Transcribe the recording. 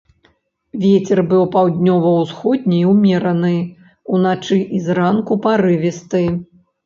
Вецер будзе паўднёва-ўсходні ўмераны, уначы і зранку парывісты.